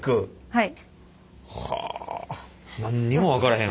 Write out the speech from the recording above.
はい。